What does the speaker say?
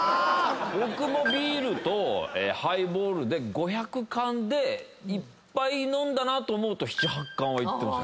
僕もビールとハイボールで５００缶でいっぱい飲んだなと思うと７８缶はいってます。